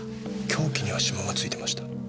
凶器には指紋が付いてました。